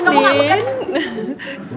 kamu gak bekerja